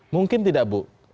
mungkin tidak bu